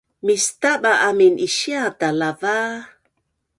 Mistaba amin isiata lava